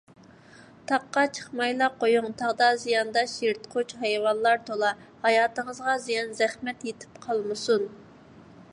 تاغقا چىقمايلا قويۇڭ، تاغدا زىيانداش يىرتقۇچ ھايۋانلار تولا، ھاياتىڭىزغا زىيان - زەخمەت يېتىپ قالمىسۇن.